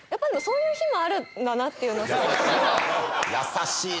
優しいな。